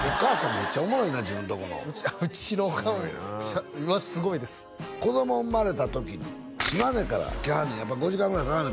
めっちゃおもろいな自分とこのうちのオカンはすごいです子供生まれた時に島根から来はんねん５時間ぐらいかかるの？